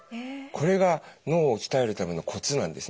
これが脳を鍛えるためのコツなんですね。